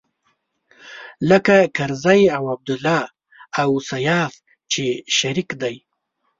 لکه کرزی او عبدالله او سياف چې شريک دی.